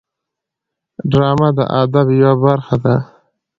ډرامه د ادب یوه برخه ده